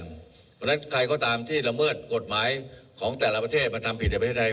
เพราะฉะนั้นใครก็ตามที่ละเมิดกฎหมายของแต่ละประเทศมาทำผิดในประเทศไทย